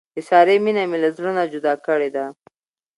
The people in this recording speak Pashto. د سارې مینه مې له زړه نه جدا کړې ده.